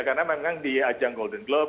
karena memang di ajang golden globes